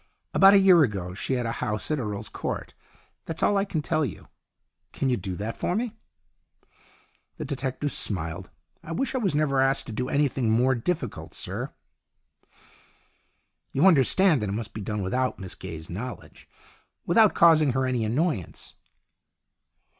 About a year ago she had a house at Earl's Court. That's all I can tell you. Can you do that for me ?" The detective smiled. " I wish I was never asked to do anything more difficult, sir." " You understand that it must be done without Miss Gaye's knowledge, without causing her any annoyance."